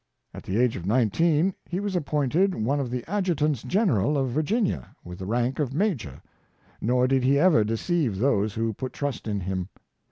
At the age of nineteen he was appointed one of the adjutants general of Virginia, with the rank of major — nor did he ever deceive those who put trust in him.